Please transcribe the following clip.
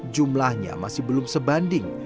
jumlahnya masih belum sebanding